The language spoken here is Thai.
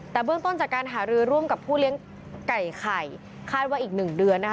แต่เบื้องต้นจากการหารือร่วมกับผู้เลี้ยงไก่ไข่คาดว่าอีกหนึ่งเดือนนะคะ